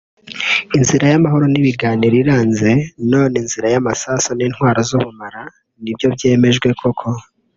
Inzira y’amahoro nibiganiro iranze none inzira y’amasasu n’intwaro z’ubumara nibyo byemejwe koko